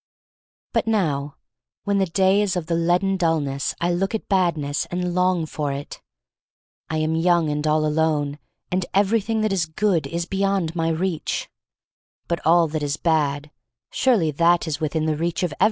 But now when the day is of the leaden dullness I look at Badness and long for it. I am young and all alone, and everything that is good is beyond my reach. But all that is bad — surely that is within the reach of every one.